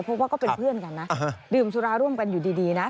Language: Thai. เพราะว่าก็เป็นเพื่อนกันนะดื่มสุราร่วมกันอยู่ดีนะ